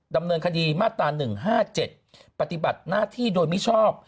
ดำเนินคดีมาตรา๑๕๗ปฏิบัติหน้าที่โดยมิชอบ